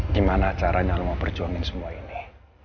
gimana caranya lo mau berjuangin semua ini